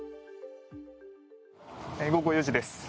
午後４時です。